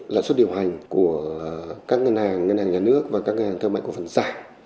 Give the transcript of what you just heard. lãi xuất điều hành của các ngân hàng ngân hàng nhà nước và các ngân hàng thơ mạnh của phần giả